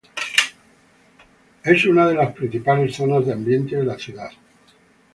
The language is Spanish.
Es una de las principales zonas de ambiente de la ciudad.